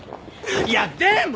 いやでも！